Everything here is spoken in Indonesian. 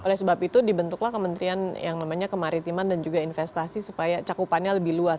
oleh sebab itu dibentuklah kementerian yang namanya kemaritiman dan juga investasi supaya cakupannya lebih luas